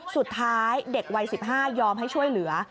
สุดท้ายเด็กวัย๑๕ยอมให้ช่วยเหลือ